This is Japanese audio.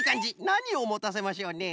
なにをもたせましょうね？